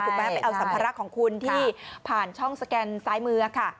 ไปเอาสัมภาระของคุณที่ผ่านช่องสแกนซ้ายมือค่ะ